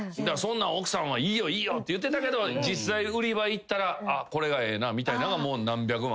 奥さんは「いいよいいよ」って言ってたけど実際売り場行ったら「これがええな」みたいなのが何百万。